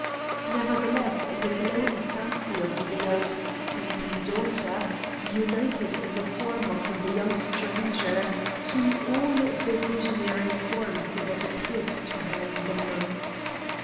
Nevertheless the glowing fancy of the elf's sleeping daughter united the form of the young stranger to all the visionary forms that appeared to her in the night.